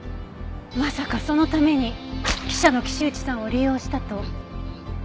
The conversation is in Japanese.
まさかそのために記者の岸内さんを利用したと？